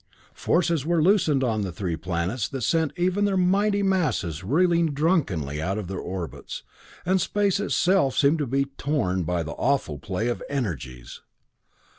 Forces were loosed on the three planets that sent even their mighty masses reeling drunkenly out of their orbits, and space itself seemed to be torn by the awful play of energies.